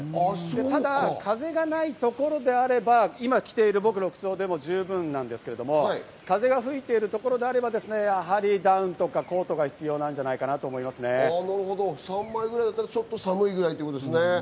ただ風がないところであれば今着ている僕の服装でも十分なんですけれど、風が吹いているところであれば、やはりダウンとかコートが必要な３枚ぐらいなら寒いということですね。